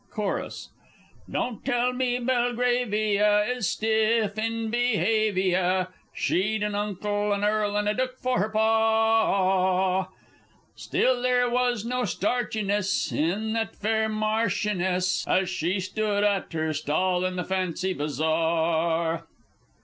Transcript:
Chorus Don't tell me Belgravia is stiff in behaviour! She'd an Uncle an Earl, and a Dook for her Pa Still there was no starchiness in that fair Marchioness, As she stood at her stall in the Fancy Bazaar!